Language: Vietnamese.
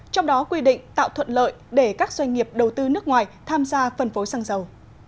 trong đó quy định tạo thuận lợi để các doanh nghiệp đầu tư nước ngoài tham gia phân phối xăng dầu